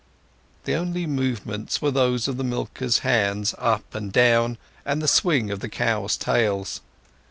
The only movements were those of the milkers' hands up and down, and the swing of the cows' tails.